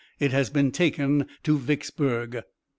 IT HAS BEEN TAKEN TO VICKSBURG.